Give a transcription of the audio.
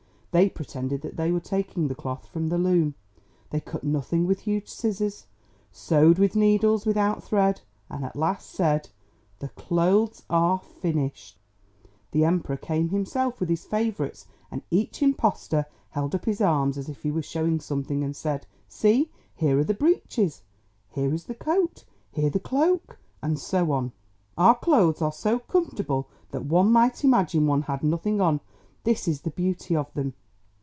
They pretended that they were taking the cloth from the loom; they cut nothing with huge scissors, sewed with needles without thread, and at last said, "The clothes are finished!" The Emperor came himself with his favourites and each impostor held up his arms as if he were showing something and said, "See! here are the breeches! Here is the coat! Here the cloak!" and so on. "Our clothes are so comfortable that one might imagine one had nothing on; that is the beauty of them!"